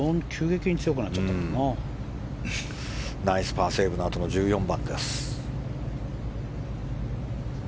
ナイスパーセーブのあとの１４番。